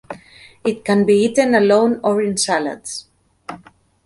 It can be eaten alone or in salads.